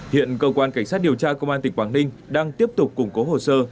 hiện cơ quan cảnh sát điều tra công an tỉnh quảng ninh đang tiếp tục củng cố hồ sơ